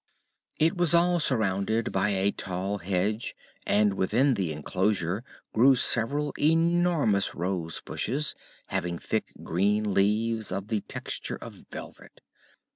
It was all surrounded by a tall hedge and within the enclosure grew several enormous rosebushes having thick green leaves of the texture of velvet.